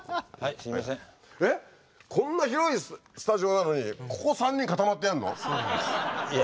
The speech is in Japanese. えっこんな広いスタジオなのにここ３人固まってやるの？